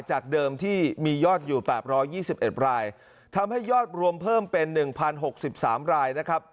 จากเดิมที่มียอดอยู่๘๒๑รายทำให้ยอดรวมเพิ่มเป็น๑๐๖๓รายนะครับ